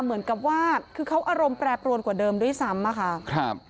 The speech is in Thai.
เหมือนกับว่าคือเขาอารมณ์แปรปรวนกว่าเดิมด้วยซ้ำอะค่ะครับ